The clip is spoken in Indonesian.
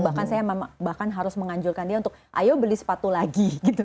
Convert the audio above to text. bahkan saya bahkan harus menganjurkan dia untuk ayo beli sepatu lagi gitu